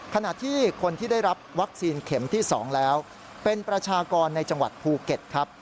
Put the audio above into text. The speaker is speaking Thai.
ขณะที่คนที่ได้รับวัคซีนเข็มที่๒แล้วเป็นประชากรในจังหวัดภูเก็ตครับ